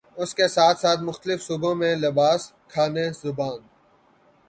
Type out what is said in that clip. اس کے ساتھ ساتھ مختلف صوبوں میں لباس، کھانے، زبان